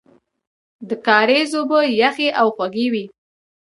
د کاریز اوبه یخې او خوږې وې.